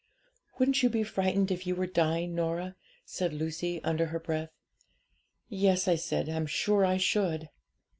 '"Wouldn't you be frightened if you were dying, Norah?" said Lucy, under her breath. '"Yes," I said, "I'm sure I should."